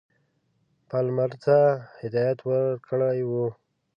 پالمر ته هدایت ورکړی وو.